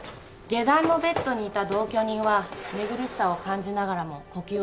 下段のベッドにいた同居人は寝苦しさを感じながらも呼吸をすることができた。